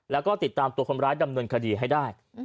แล้วก็ติดตามตัวคนร้ายดำเนินคดีให้ได้